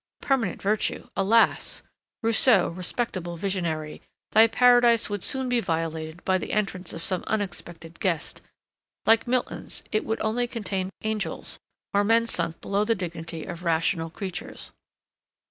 Permanent virtue! alas! Rousseau, respectable visionary! thy paradise would soon be violated by the entrance of some unexpected guest. Like Milton's, it would only contain angels, or men sunk below the dignity of rational creatures.